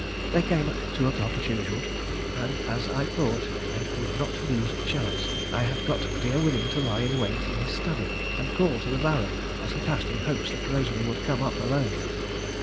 They came at two o'clock as usual, and as I thought I would not lose a chance, I had got dear William to lie in wait in his study, and call to the Baron as he passed, in hopes that Rosalie would come up alone.